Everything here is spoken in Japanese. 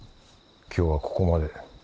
今日はここまで。